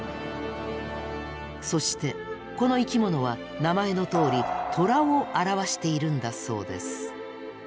そしてこの生きものは名前のとおりトラを表しているんだそうです。